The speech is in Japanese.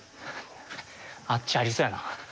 あっちありそうやな。